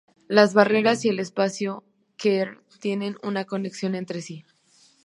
Las barreras y el espacio queer tienen una conexión entre sí.